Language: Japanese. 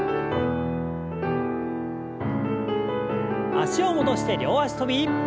脚を戻して両脚跳び。